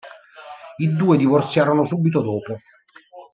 I due divorziarono subito dopo.